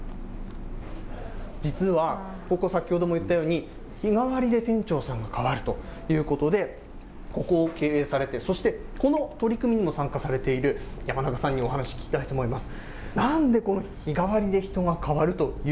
実は、ここ、先ほども言ったように、日替わりで店長さんが変わるということで、ここを経営されて、そしてこの取り組みにも参加されている山中さんにお話聞きたいと思います。